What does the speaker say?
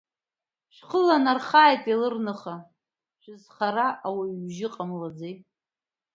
Шәхы ланырхааит Елыр-ныха, шәызхара ауаҩжьы ҟамлаӡеи…